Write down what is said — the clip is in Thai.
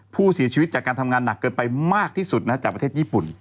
ผู้เสียชีวิตจากการทำงานหนักเกินไปมากที่สุดจากประเทศญี่ปุ่น